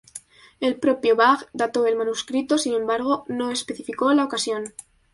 El propio Bach dató el manuscrito, sin embargo no especificó la ocasión.